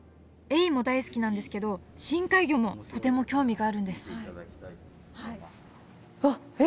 エイも大好きなんですけど深海魚もとても興味があるんですはい。